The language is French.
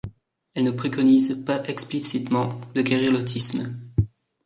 Elle ne préconise pas explicitement de guérir l'autisme.